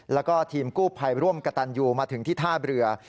แล้วก็ทีมกู้ภัยร่วมกระตันยูมาถึงที่ท่าเรือ